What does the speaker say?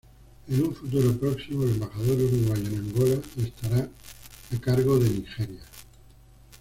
En un futuro próximo, el embajador uruguayo en Angola estará a cargo de Nigeria.